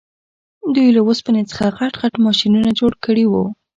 دوی له اوسپنې څخه غټ غټ ماشینونه جوړ کړي وو